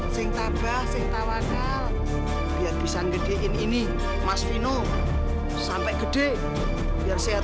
singtabah singtawakal biar bisa ngede ini mas vino sampai gede biar sehat